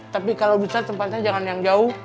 tapi kalau besar tempatnya jangan yang jauh